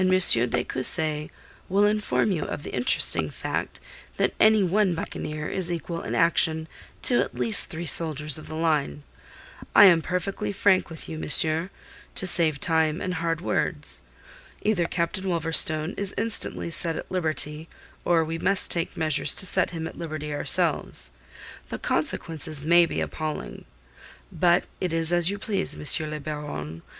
de Cussy will inform you of the interesting fact that any one buccaneer is equal in action to at least three soldiers of the line. I am perfectly frank with you, monsieur, to save time and hard words. Either Captain Wolverstone is instantly set at liberty, or we must take measures to set him at liberty ourselves. The consequences may be appalling. But it is as you please, M. le Baron.